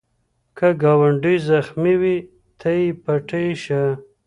که ګاونډی زخمې وي، ته یې پټۍ شه